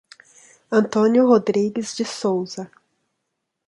Antônio Rodrigues de Souza